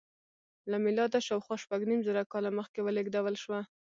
له میلاده شاوخوا شپږ نیم زره کاله مخکې ولېږدول شوه.